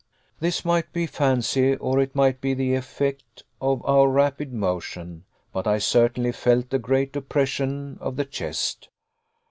This might be fancy, or it might be the effect of our rapid motion, but I certainly felt a great oppression of the chest.